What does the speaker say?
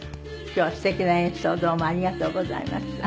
今日はすてきな演奏をどうもありがとうございました。